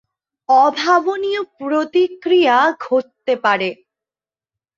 অভাবনীয় প্রতিক্রিয়া ঘটতে পারে।